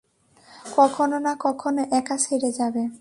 কখনো না কখনো একা ছেঁড়ে যাবে?